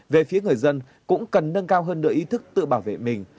về phía người dân cũng cần nâng cao hơn nửa ý thức tự bảo vệ mình